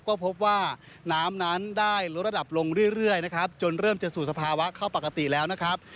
ก็พบว่าน้ำนั้นได้ลดระดับลงเรื่อยนะครับจนเริ่มจะสู่สภาวะเข้าปกติแล้วนะครับ